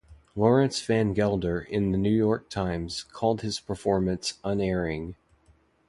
Lawrence Van Gelder in the New York Times called his performance unerring.